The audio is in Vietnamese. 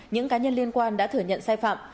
những cá nhân liên quan đã thừa nhận sai phạm